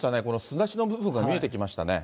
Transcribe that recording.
この砂地の部分が見えてきました